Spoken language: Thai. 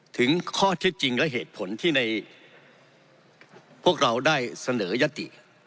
ถึงข้อเท็จจริงและเหตุผลที่ในพวกเราได้เสนอยติ